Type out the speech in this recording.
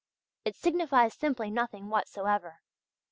It signifies simply nothing whatsoever.